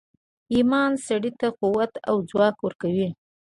ایمان سړي ته قوت او ځواک ورکوي